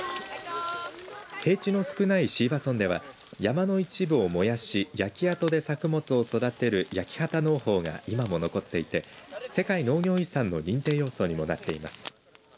平地の少ない椎葉村では山の一部を燃やし焼き跡で作物を育てる焼き畑農法が今も残っていて世界農業遺産の認定要素にもなっています。